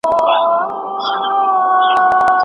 بریالیو خلکو بدلونونه منلي دي.